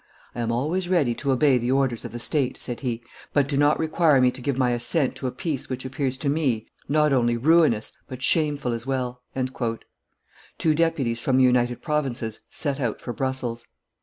"I am always ready to obey the orders of the state," said he, "but do not require me to give my assent to a peace which appears to me not only ruinous, but shameful as well." Two deputies from the United Provinces set out for Brussels.